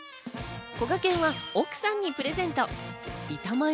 こがけんは奥さんにプレゼント。